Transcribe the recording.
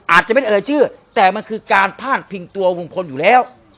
อาจจะไม่เอ่ยชื่อแต่มันคือการพาดพิงตัวลุงพลอยู่แล้ว